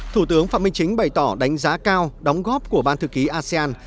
thủ tướng phạm minh chính bày tỏ đánh giá cao đóng góp của ban thư ký asean